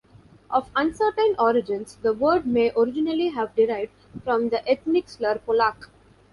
Of uncertain origins, the word may originally have derived from the ethnic slur "polack".